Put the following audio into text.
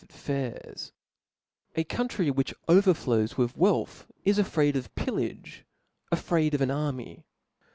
ate aQairSi A country ivhldi overflows with wealthy is afraid of pillage, afraid of arf army.